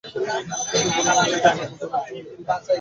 কিন্তু বুড়োমানুষকে ফাঁকি দেওয়া একটি মেয়ের পক্ষে কিছুই শক্ত নহে।